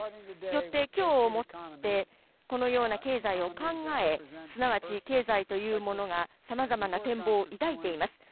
よって今日をもってこのような経済を考え、すなわち、経済というものがさまざまな展望を抱いています。